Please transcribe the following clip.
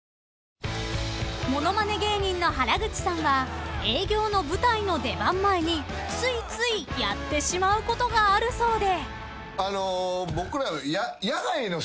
［物まね芸人の原口さんは営業の舞台の出番前についついやってしまうことがあるそうで］